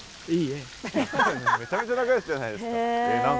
めちゃめちゃ仲よしじゃないですか。